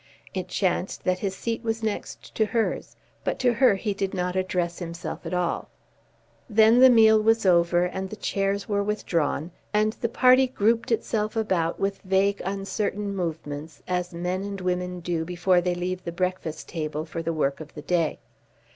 It chanced that his seat was next to hers, but to her he did not address himself at all. Then the meal was over, and the chairs were withdrawn, and the party grouped itself about with vague, uncertain movements, as men and women do before they leave the breakfast table for the work of the day.